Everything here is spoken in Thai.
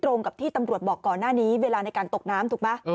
ตรงกับที่ตำรวจบอกก่อนหน้านี้เวลาในการตกน้ำถูกไหม